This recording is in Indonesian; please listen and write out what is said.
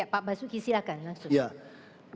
pak basuki silahkan